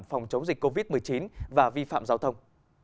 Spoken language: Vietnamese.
phòng chống dịch covid một mươi chín và vi phạm giao thông